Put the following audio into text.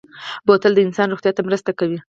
بوتل د انسان روغتیا ته مرسته کوي.